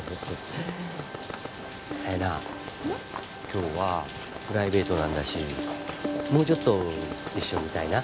今日はプライベートなんだしもうちょっと一緒にいたいな。